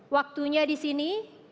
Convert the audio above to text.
waktunya di sini